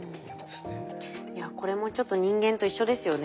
いやこれもちょっと人間と一緒ですよね。